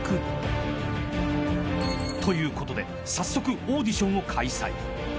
［ということで早速オーディションを開催］